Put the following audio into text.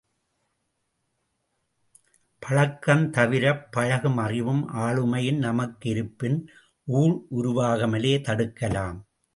பழக்கம் தவிரப் பழகும் அறிவும் ஆளுமையும் நமக்கு இருப்பின் ஊழ்உருவாகாமலே தடுக்கலாம்.